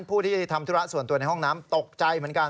ผู้ที่ทำธุระส่วนตัวในห้องน้ำตกใจเหมือนกัน